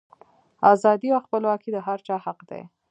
ازادي او خپلواکي د هر چا حق دی.